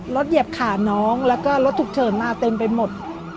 เหยียบขาน้องแล้วก็รถฉุกเฉินมาเต็มไปหมด